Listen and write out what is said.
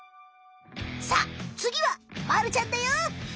さあつぎはまるちゃんだよ！